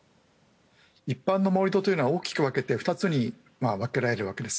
一般の盛り土というのは大きく分けて２つに分けられるわけです。